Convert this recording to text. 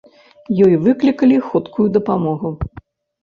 Ёй выклікалі хуткую дапамогу.